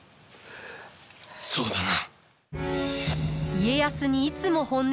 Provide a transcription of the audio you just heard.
そうだな。